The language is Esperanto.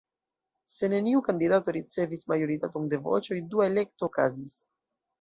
Se neniu kandidato ricevis majoritaton de voĉoj, dua elekto okazis.